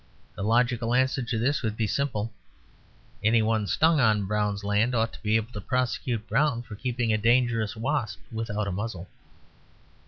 The logical answer to this would be simple: Any one stung on Brown's land ought to be able to prosecute Brown for keeping a dangerous wasp without a muzzle.